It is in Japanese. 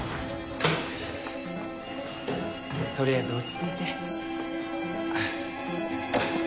とりあえず落ち着いて。